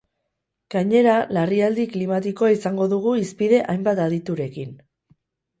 Gainera, larrialdi klimatikoa izango dugu hizpide hainbat aditurekin.